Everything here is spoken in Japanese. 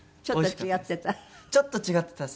ちょっと違ってた？